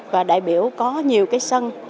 và đại biểu có nhiều cái sân